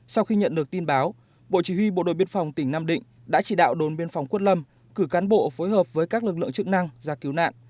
sau khi nhận được tin báo bộ chỉ huy bộ đội biên phòng tỉnh nam định đã chỉ đạo đồn biên phòng quất lâm cử cán bộ phối hợp với các lực lượng chức năng ra cứu nạn